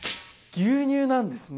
牛乳なんですね！